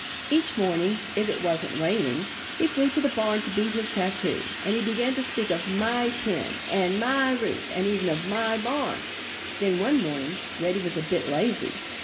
Each morning (if it wasn't raining) he flew to the barn to beat his tattoo. And he began to speak of "My tin," and "My roof"—and even of "My barn!" Then, one morning, Reddy was a bit lazy.